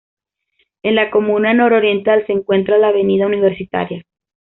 En la comuna nororiental se encuentra la Avenida Universitaria.